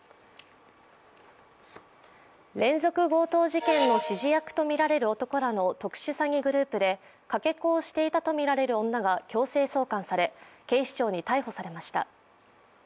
連続強盗事件の指示役とみられる男らの特殊詐欺グループでかけ子をしていたとみられる女が強制送還され警視庁に逮捕されました。